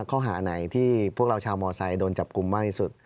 ข้อหาไหนที่พวกเราชาวมอไซค์โดนจับกลุ่มมากที่สุด